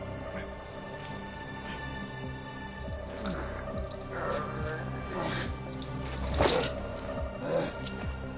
ああああ。